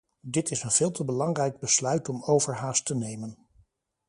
Dit is een veel te belangrijk besluit om overhaast te nemen.